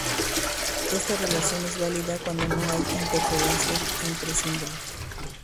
Esta relación es válida cuando no hay interferencia entre símbolos.